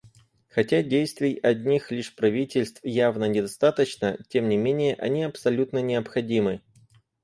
Хотя действий одних лишь правительств явно недостаточно, тем не менее они абсолютно необходимы.